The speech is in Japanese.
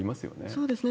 そうですね。